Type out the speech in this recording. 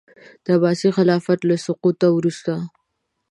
د عباسي خلافت له سقوط وروسته.